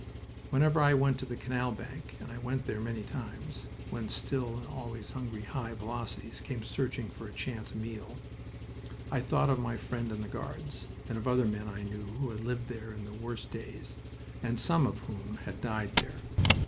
Whenever I went to the canal bank, and I went there many times (when still and always hungry high velocities came searching for a chance meal), I thought of my friend in the Guards, and of other men I knew who had lived there in the worst days, and some of whom had died there.